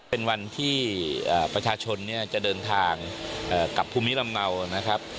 เป็นวันที่ประชาชนเนี่ยจะเดินทางกับภูมิลำเนานะครับ